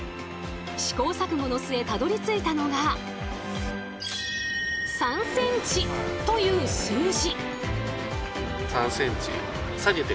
試行錯誤の末たどりついたのがという数字。